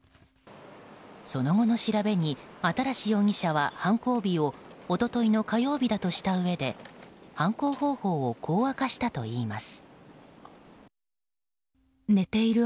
その後の調べに新容疑者は犯行日を一昨日の火曜日だとしたうえで犯行方法をこう明かしたといいます。